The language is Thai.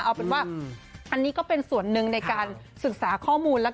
เอาเป็นว่าอันนี้ก็เป็นส่วนหนึ่งในการศึกษาข้อมูล